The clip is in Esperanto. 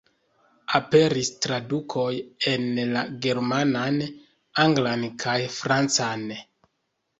Aperis tradukoj en la germanan, anglan kaj francan.